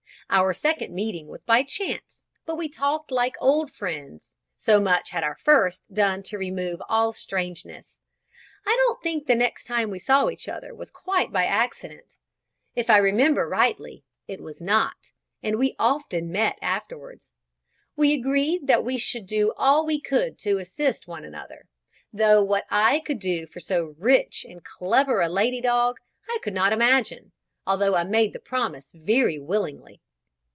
Our second meeting was by chance, but we talked like old friends, so much had our first done to remove all strangeness. I don't think the next time we saw each other was quite by accident. If I remember rightly, it was not; and we often met afterwards. We agreed that we should do all we could to assist one another, though what I could do for so rich and clever a lady dog I could not imagine, although I made the promise very willingly.